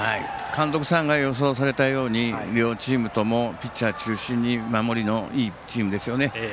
監督さんが予想されたように両チームともピッチャー中心に守りのいいチームですよね。